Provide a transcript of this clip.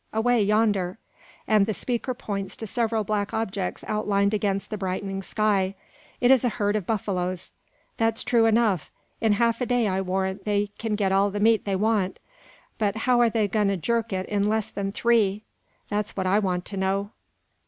away yonder!" and the speaker points to several black objects outlined against the brightening sky. It is a herd of buffaloes. "That's true enough. In half a day I warrant they kin get all the meat they want: but how are they a goin' to jirk it in less than three? That's what I want to know."